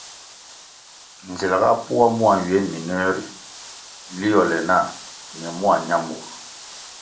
Nzel ga poa mua nywie mindoē ri liole nah ñe mua ñamur.